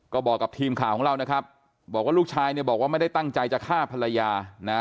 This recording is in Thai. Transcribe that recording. ก็บอกกับทีมข่าวของเรานะครับบอกว่าลูกชายเนี่ยบอกว่าไม่ได้ตั้งใจจะฆ่าภรรยานะ